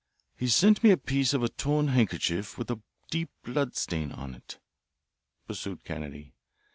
"He sent me a piece of a torn handkerchief with a deep blood stain on it," pursued Kennedy.